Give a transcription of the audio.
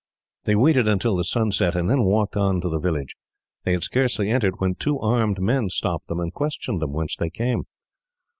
They waited until the sun set, and then walked on into the village. They had scarcely entered, when two armed men stopped them, and questioned them whence they came.